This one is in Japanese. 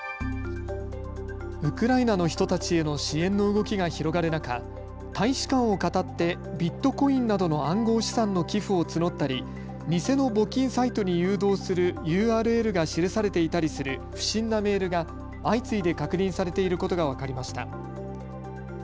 ウクライナの人たちへの支援の動きが広がる中、大使館をかたってビットコインなどの暗号資産の寄付を募ったり偽の募金サイトに誘導するＵＲＬが記されていたりする、不審なメールが相次いで確認されていることが分かりました。